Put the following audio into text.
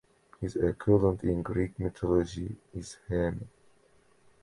His equivalent in Greek mythology is Hymen.